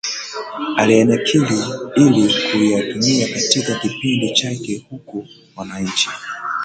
aliyanakili ili kuyatumia katika kipindi chake huku wananchi